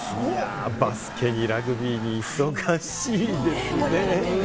バスケにラグビーに忙しいですね。